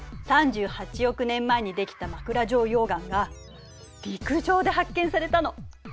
３８億年前にできた枕状溶岩が陸上で発見されたの。